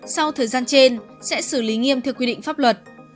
sau thời gian trên sẽ xử lý nghiêm theo quy định pháp luật